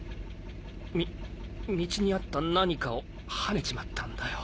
み道にあった何かをはねちまったんだよ。